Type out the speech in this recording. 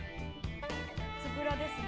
つぶらですね。